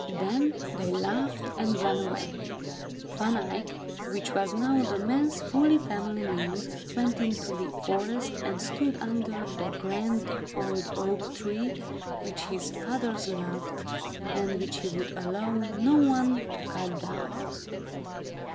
Then they laughed and ran away. Van Eyck, which was now the man's full family name, went into the forest and stood under the grand old oak tree, which his fathers loved, and which he would allow none to cut down.